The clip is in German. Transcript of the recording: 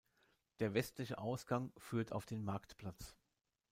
Der westliche Ausgang führt auf den Marktplatz.